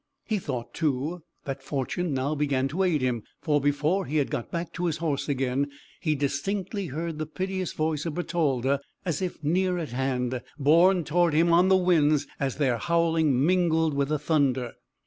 He thought, too, that fortune now began to aid him, for before he had got back to his horse again, he distinctly heard the piteous voice of Bertalda as if near at hand, borne toward him on the winds as their howling mingled with the thunder.